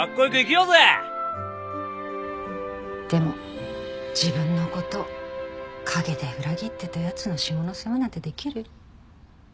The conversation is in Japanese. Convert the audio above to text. でも自分の事陰で裏切ってた奴の下の世話なんてできる？